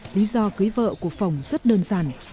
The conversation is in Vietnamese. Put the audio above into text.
lý do cưới vợ của phỏng rất đơn giản